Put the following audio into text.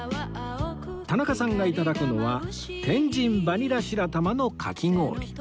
田中さんが頂くのは天神バニラ白玉のかき氷